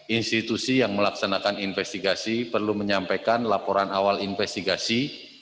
institusi yang melaksanakan investigasi perlu menyampaikan laporan awal investigasi